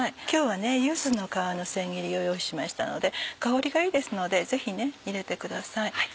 今日は柚子の皮の千切りを用意しましたので香りがいいですのでぜひ入れてください。